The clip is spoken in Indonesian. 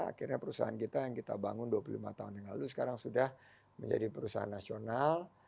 akhirnya perusahaan kita yang kita bangun dua puluh lima tahun yang lalu sekarang sudah menjadi perusahaan nasional